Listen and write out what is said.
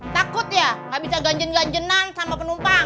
takut ya gak bisa ganjen ganjenan sama penumpang